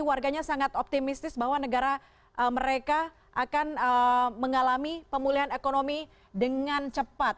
warganya sangat optimistis bahwa negara mereka akan mengalami pemulihan ekonomi dengan cepat